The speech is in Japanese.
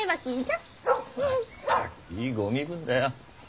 ったくいいご身分だよ。